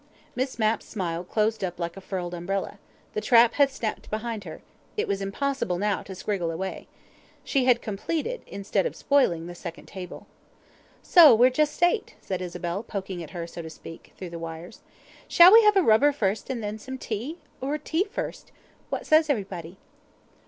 Miss Mapp's smile closed up like a furled umbrella. The trap had snapped behind her: it was impossible now to scriggle away. She had completed, instead of spoiling, the second table. "So we're just eight," said Isabel, poking at her, so to speak, through the wires. "Shall we have a rubber first and then some tea? Or tea first. What says everybody?"